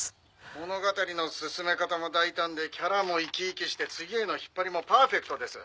「物語の進め方も大胆でキャラも生き生きして次への引っ張りもパーフェクトです」